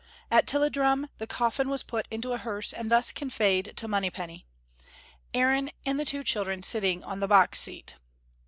At Tilliedrum the coffin was put into a hearse and thus conveyed to Monypenny, Aaron and the two children sitting on the box seat.